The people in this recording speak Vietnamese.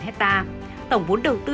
chín hectare tổng vốn đầu tư